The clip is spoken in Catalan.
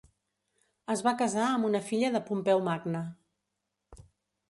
Es va casar amb una filla de Pompeu Magne.